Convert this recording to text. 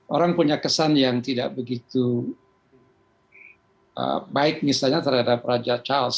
orang punya kesan yang tidak begitu baik misalnya terhadap raja charles